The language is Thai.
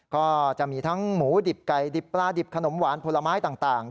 ก็จะมีทั้งหมูดิบไก่ดิบปลาดิบขนมหวานผลไม้ต่าง